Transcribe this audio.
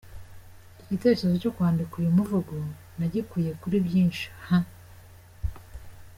Igitekerezo cyo kwandika uyu muvugo nagikuye kuri byinshi H.